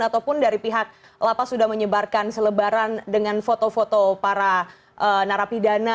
ataupun dari pihak lapas sudah menyebarkan selebaran dengan foto foto para narapidana